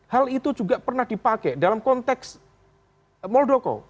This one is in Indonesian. hal itu juga pernah dipakai dalam konteks moldoko